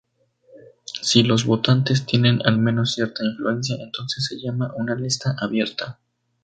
Si los votantes tienen al menos cierta influencia, entonces se llama una lista abierta.